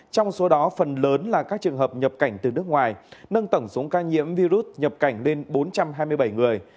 trong số đó phần lớn là các trường hợp nhập cảnh từ nước ngoài nâng tổng số ca nhiễm virus nhập cảnh lên bốn trăm hai mươi bảy người